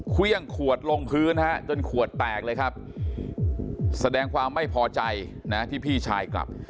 เครื่องขวดลงพื้นฮะจนขวดแตกเลยครับแสดงความไม่พอใจนะที่พี่ชายกลับ